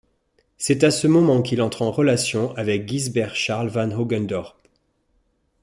C'est à ce moment, qu'il entre en relation avec Guisbert Charles van Hogendorp.